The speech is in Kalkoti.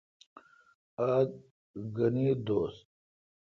آج گھن عید دوس۔